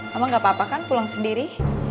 mama gak apa apa kan pulang sendiri